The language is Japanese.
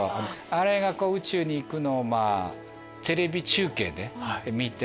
あれが宇宙に行くのをテレビ中継で見て。